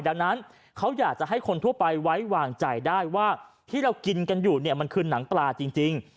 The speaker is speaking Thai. ดังนั้นเขาอยากจะให้คนทั่วไปไว้วางใจได้ว่าที่เรากินกันอยู่เนี่ยมันคือหนังปลาจริง